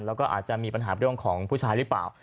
แล้วก็อาจจะมีปัญหาเรื่องของผู้ชายหรือเปล่า